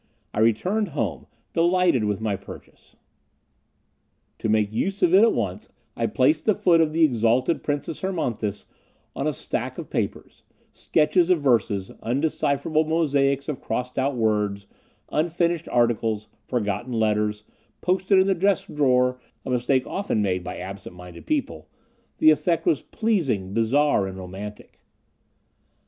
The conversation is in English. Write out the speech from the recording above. I returned home, delighted with my purchase. To make use of it at once, I placed the foot of the exalted Princess Hermonthis on a stack of papers sketches of verses, undecipherable mosaics of crossed out words, unfinished articles, forgotten letters, posted in the desk drawer, a mistake often made by absent minded people; the effect was pleasing, bizarre, and romantic.